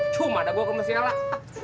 cuma ada gue kemiskinan lah